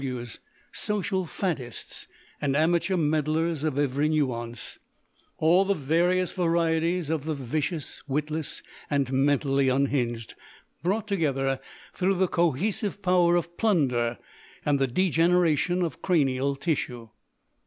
W. W.'s, social faddists, and amateur meddlers of every nuance—all the various varieties of the vicious, witless, and mentally unhinged—brought together through the "cohesive power of plunder" and the degeneration of cranial tissue.